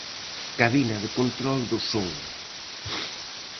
Cabina de control do son.